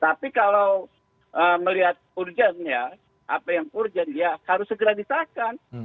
tapi kalau melihat urgen ya apa yang urgen ya harus segera disahkan